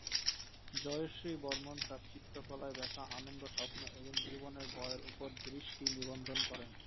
জয়শ্রী বর্মণ, তার চিত্রকলায় ব্যথা, আনন্দ, স্বপ্ন এবং জীবনের ভয়ের উপর দৃষ্টি নিবদ্ধ করেন।